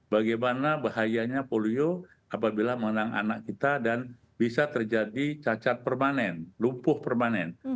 bagaimana bahayanya polio apabila menang anak kita dan bisa terjadi cacat permanen lumpuh permanen